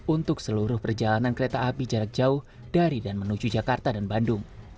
untuk seluruh perjalanan kereta api jarak jauh dari dan menuju jakarta dan bandung